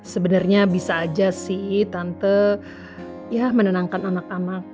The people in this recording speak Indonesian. sebenarnya bisa aja sih tante ya menenangkan anak anak